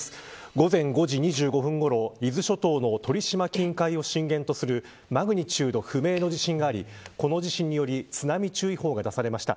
午前５時２５分ごろ伊豆諸島の鳥島近海を震源とするマグニチュード不明の地震がありこの地震により津波注意報が出されました。